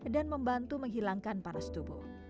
dan membantu menghilangkan panas tubuh